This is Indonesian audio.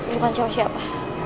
bukan cewek siapa